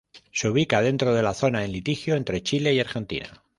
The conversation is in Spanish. Se ubica dentro de la zona en litigio entre Chile y Argentina.